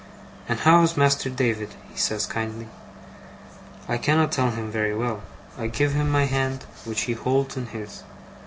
'And how is Master David?' he says, kindly. I cannot tell him very well. I give him my hand, which he holds in his.